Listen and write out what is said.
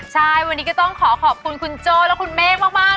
ใช่วันนี้ก็ต้องขอขอบคุณคุณโจ้และคุณเมฆมาก